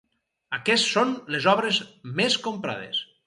Aquests són les obres més comprades.